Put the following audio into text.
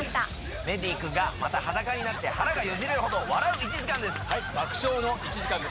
メンディー君がまた裸になって腹がよじれるほど笑う１時間で爆笑の１時間です。